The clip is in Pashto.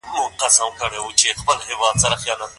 ما د پښتو ژبي یو زوړ لغت وموندی